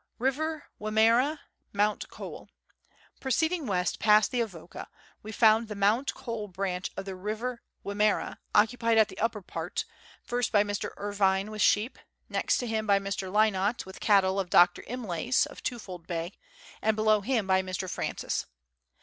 River Wimmera ; Mount Cole. Proceeding west past the Avoca, we found the Mount Cole branch of the Eiver Wimmera occupied at the upper part ; first by Mr. Irvine with sheep ; next to him by Mr. Lynott with cattle of Dr. Imlay's, of Twofold Bay ; and below him by Mr. Francis.